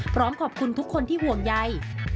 พร้อมขอบคุณทุกคนที่ห่วงใย